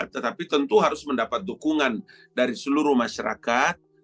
tetapi tentu harus mendapat dukungan dari seluruh masyarakat